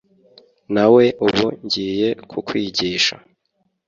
nawe ubu ngiye kukwigisha